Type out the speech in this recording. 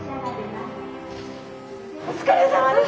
お疲れさまです。